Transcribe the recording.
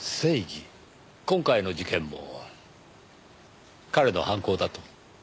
今回の事件も彼の犯行だと？